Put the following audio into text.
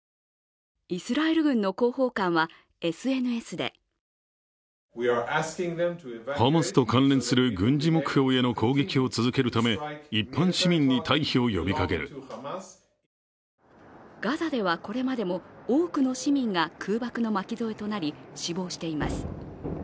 イスラエル軍の広報官はＳＮＳでガザでは、これまでも多くの市民が空爆の巻き添えとなり、死亡しています。